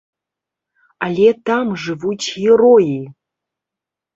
Але там жывуць героі!